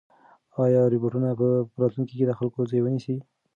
ایا روبوټونه به په راتلونکي کې د خلکو ځای ونیسي؟